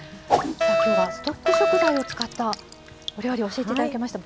きょうはストック食材を使ったお料理を教えていただきました。